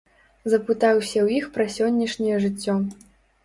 Запытаўся ў іх пра сённяшняе жыццё.